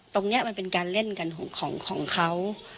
ตรงนี้มันเป็นการเล่นกันของเขา